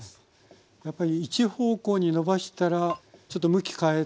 やっぱり一方向にのばしたらちょっと向き変えて。